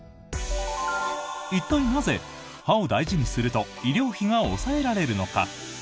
一体なぜ、歯を大事にすると医療費が抑えられるのか？